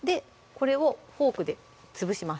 これをフォークで潰します